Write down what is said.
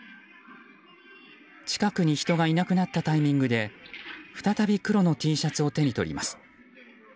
近くに人がいなくなったタイミングで再び黒のＴシャツを手に取ります。